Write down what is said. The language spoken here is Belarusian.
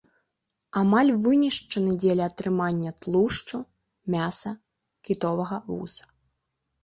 Амаль вынішчаны дзеля атрымання тлушчу, мяса, кітовага вуса.